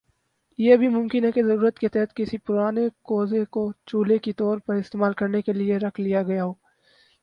یہ بھی ممکن ہے کہ ضرورت کے تحت کسی پرانے کوزے کو چولہے کے طور پر استعمال کرنے کے لئے رکھ لیا گیا ہو